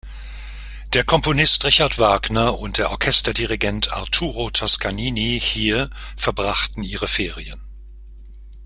Der Komponist Richard Wagner und der Orchesterdirigent Arturo Toscanini hier verbrachten ihre Ferien.